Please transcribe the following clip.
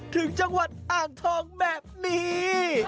ถึงจังหวัดอ่างทองแบบนี้